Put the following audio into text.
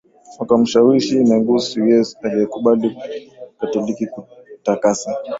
Wakamshawishi Negus Sussenyos aliyekubali Ukatoliki kutakasa